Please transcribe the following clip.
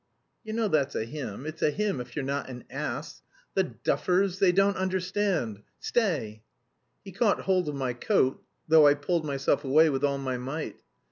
You know that's a hymn. It's a hymn, if you're not an ass! The duffers, they don't understand! Stay!" He caught hold of my coat, though I pulled myself away with all my might.